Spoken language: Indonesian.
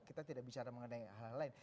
kita tidak bicara mengenai hal lain